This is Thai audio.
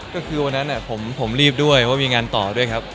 ก็คือวันนั้นผมรีบด้วยว่ามีงานต่อด้วยครับ